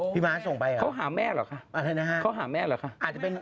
พี่ม้าส่งไปเหรอเขาหาแม่เหรอคะเขาหาแม่เหรอคะ